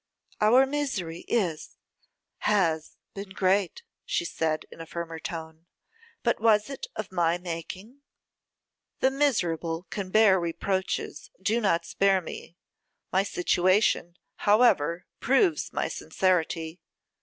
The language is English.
'Our misery is has been great,' she said in a firmer tone, 'but was it of my making?' 'The miserable can bear reproaches; do not spare me. My situation, however, proves my sincerity.